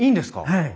はい。